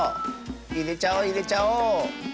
いれちゃおういれちゃおう！